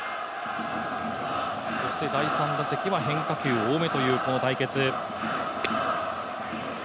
そして第３打席は変化球多めというこの対決。